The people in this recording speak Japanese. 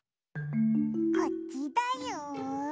こっちだよ。